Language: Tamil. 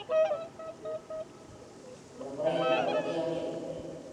இந்த முறை நான் உறுதியாக இருக்கிறேன்!